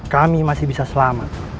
kami masih bisa selamat